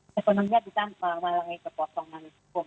sebetulnya kita melalui kekosongan hukum